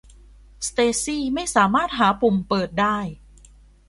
สเตซี่ย์ไม่สามารถหาปุ่มเปิดได้